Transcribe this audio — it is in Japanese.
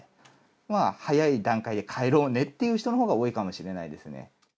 まあ、早い段階で帰ろうねっていう人のほうが多いかもしれないですね。